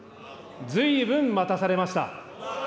ずいぶん待たされました。